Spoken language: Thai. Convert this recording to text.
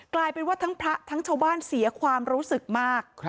กลายเป็นว่าทั้งพระทั้งชาวบ้านเสียความรู้สึกมาก